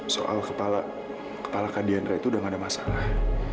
soal kepala kepala kak dianera itu udah gak ada masalah